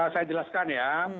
saya jelaskan ya